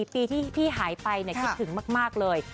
ปีที่พี่หายไปคิดถึงมากเลย